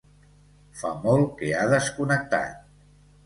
Fa molt que ha desconnectat.